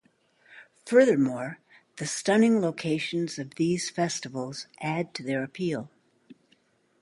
Furthermore, the stunning locations of these festivals add to their appeal.